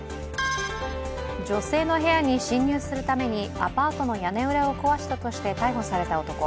女性の部屋に侵入するためにアパートの屋根裏を壊したとして逮捕された男。